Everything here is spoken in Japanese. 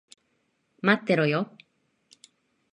待ってろよ。